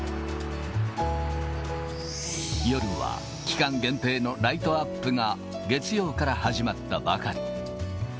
夜は期間限定のライトアップが月曜から始まったばかり。